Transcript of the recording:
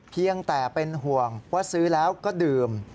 เพียงแต่เป็นห่วงว่าซื้อแล้วก็ดื่ม